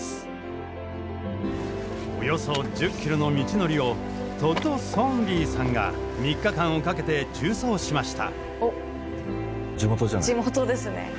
およそ１０ｋｍの道のりをトッド・ソーンリーさんが３日間をかけて縦走しました。